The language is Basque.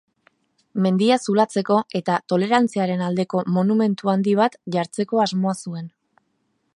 Mendia zulatzeko eta tolerantziaren aldeko monumentu handi bat jartzeko asmoa zuen.